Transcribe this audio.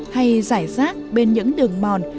hay giải rác bên những đường mòn